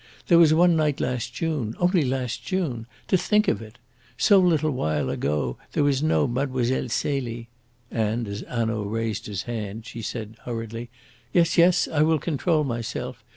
There was one night last June only last June! To think of it! So little while ago there was no Mlle. Celie " and, as Hanaud raised his hand, she said hurriedly, "Yes, yes; I will control myself.